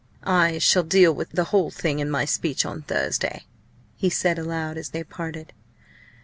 "I shall deal with the whole thing in my speech on Thursday!" he said aloud, as they parted.